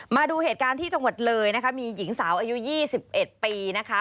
มาดูเหตุการณ์ที่จังหวัดเลยนะคะมีหญิงสาวอายุ๒๑ปีนะคะ